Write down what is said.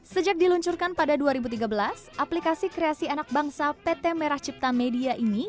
sejak diluncurkan pada dua ribu tiga belas aplikasi kreasi anak bangsa pt merah cipta media ini